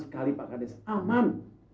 sekali pak kades aman